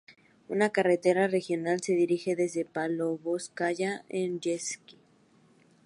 Una carretera regional se dirige desde Pávlovskaya a Yeisk.